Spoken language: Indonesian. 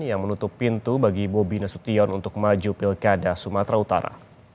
yang menutup pintu bagi bobi nasution untuk maju pilkada sumatera utara